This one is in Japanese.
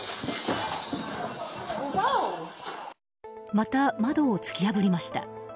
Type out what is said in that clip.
また窓を突き破りました。